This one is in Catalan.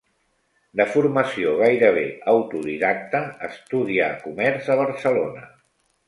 De formació gairebé autodidacta, estudià comerç a Barcelona.